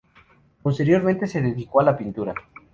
Posteriormente, se dedicó a la pintura.